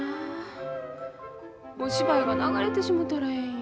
お芝居が流れてしもたらええんや。